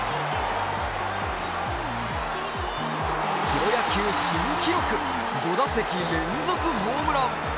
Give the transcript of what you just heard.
プロ野球新記録５打席連続ホームラン。